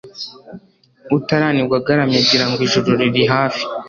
utaranigwa agaramye agira ngo ijuru riri hafi